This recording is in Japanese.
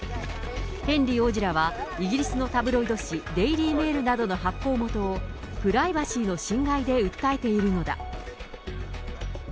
ヘンリー王子らは、イギリスのタブロイド紙、デイリー・メールなどの発行元を、プライバシーの侵害で訴えているのだ。